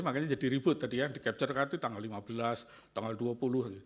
makanya jadi ribut tadi ya di capture kan itu tanggal lima belas tanggal dua puluh